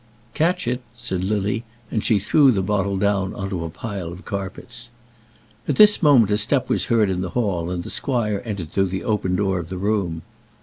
"Catch it," said Lily; and she threw the bottle down on to a pile of carpets. At this moment a step was heard in the hall, and the squire entered through the open door of the room.